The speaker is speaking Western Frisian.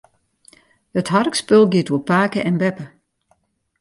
It harkspul giet oer pake en beppe.